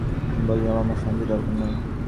আমি বললাম, আমার শান্তি দরকার নেই।